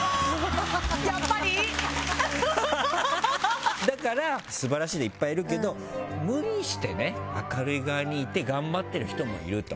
やっぱり？だから、素晴らしい人いっぱいいるけど無理してね、明るい側にいて頑張ってる人もいると。